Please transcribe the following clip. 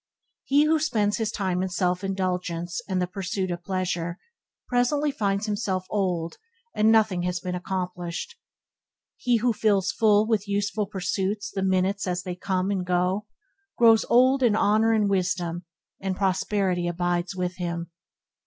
He who spends his time in self indulgence and the pursuit of pleasure, presently finds himself old, and nothing has been accomplished. He who fills full with useful pursuits the minutes as they come and go, grows old in honour and wisdom, and prosperity abides with him.